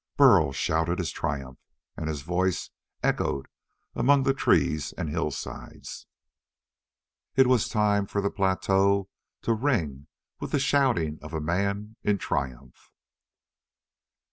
Burl shouted in his triumph, and his voice echoed among trees and hillsides. It was time for the plateau to ring with the shouting of a man in triumph! _10.